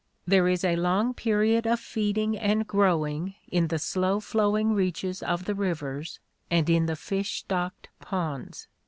There is a long period of feeding and growing in the slow flowing reaches of the rivers and in the fish stocked ponds.